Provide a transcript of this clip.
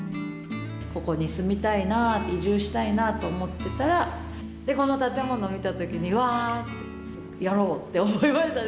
ここに住みたいな、移住したいなと思っていたら、この建物見たときに、わーっ、やろうって思いましたね。